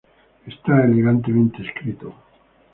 Está elegantemente escrito.